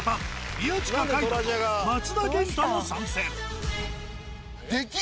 宮近海斗と松田元太も参戦。